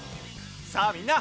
さあみんな！